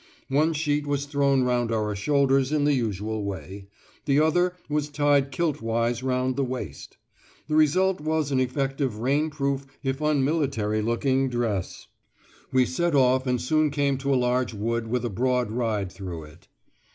One sheet was thrown round the shoulders in the usual way; the other was tied kilt wise round the waist. The result was an effective rainproof, if unmilitary looking dress! We set off and soon came to a large wood with a broad ride through it.